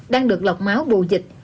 đang được lọc máu bù dịch